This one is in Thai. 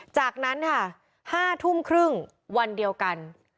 จากนั้นค่ะ๕ทุ่มครึ่งวันเดียวกัน